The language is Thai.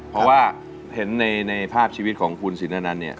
เพราะว่าเห็นในภาพชีวิตของคุณสินอนันต์เนี่ย